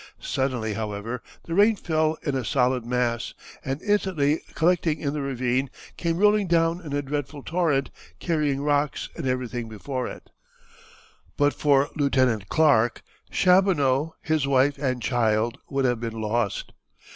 Suddenly, however, the rain fell in a solid mass, and instantly collecting in the ravine, came rolling down in a dreadful torrent, carrying rocks and everything before it. "But for Lieut. Clark, Chaboneau, his wife and child would have been lost.